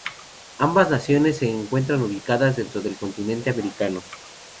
Ambas naciones se encuentran ubicadas dentro del continente americano.